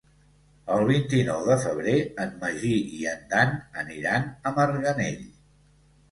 El vint-i-nou de febrer en Magí i en Dan aniran a Marganell.